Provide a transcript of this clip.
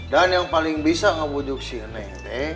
dan yang paling bisa ngebujuk si neng deh